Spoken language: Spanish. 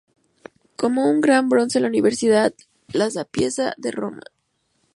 Como un gran bronce en la Universidad La Sapienza de Roma.